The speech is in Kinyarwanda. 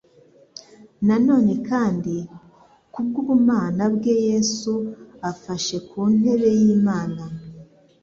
na none kandi kubw'ubumana bwe Yesu afashe ku ntebe y'Imana.